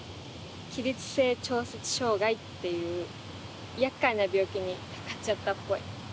起立性調節障害っていう厄介な病気にかかっちゃったっぽい。